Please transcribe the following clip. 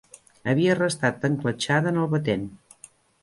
Havia restat encletxada en el batent.